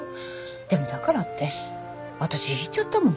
でもだからって私引いちゃったもん。